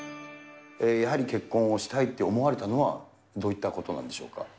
やはり結婚をしたいって思われたのは、どういったことなんでしょうか。